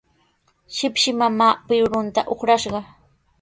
Shipshi mamaa pirurunta uqrashqa.